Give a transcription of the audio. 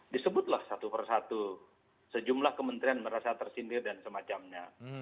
disebutlah satu persatu sejumlah kementerian merasa tersindir dan semacamnya